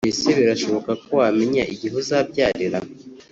Mbese birashoboka ko wamenya igihe uzabyarira